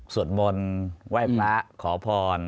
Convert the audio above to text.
สวดมนต์ไหว้พระขอพร